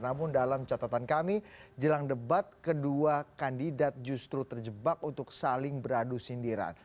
namun dalam catatan kami jelang debat kedua kandidat justru terjebak untuk saling beradu sindiran